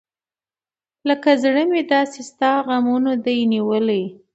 لکه زړه مې داسې ستا غمونه دى نیولي .